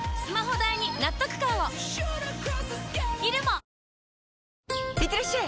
おおっいってらっしゃい！